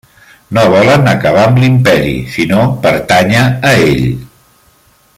No volen acabar amb l'Imperi sinó pertànyer a ell.